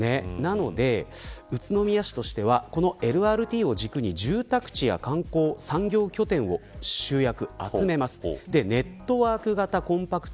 宇都宮市としてはＬＲＴを軸に住宅地や観光産業拠点を集約します。